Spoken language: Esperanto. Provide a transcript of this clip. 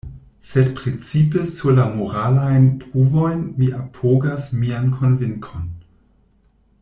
Sed precipe sur la moralajn pruvojn mi apogas mian konvinkon.